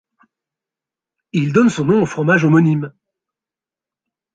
Il donne son nom au fromage homonyme.